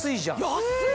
安い！